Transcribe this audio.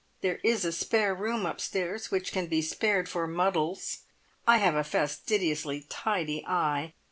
There is a spare room upstairs which can be spared for muddles. I have a fastidiously tidy eye.